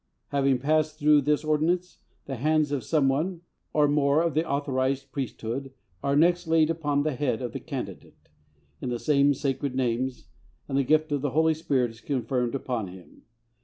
Having passed through this ordinance, the hands of some one, or more, of the authorised Priesthood, are next laid upon the head of the candidate, in the same sacred names, and the gift of the Holy Spirit is confirmed upon him.